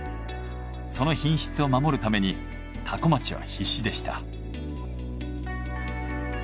その品質を守るために多古町は必死でした。